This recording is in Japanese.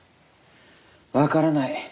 分からない。